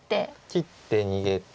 切って逃げて。